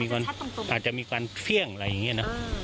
มันเหมือนอาจจะมีความเฟี่ยงอะไรอย่างนี้นะ